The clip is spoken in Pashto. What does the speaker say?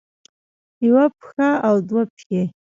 يوه پښه او دوه پښې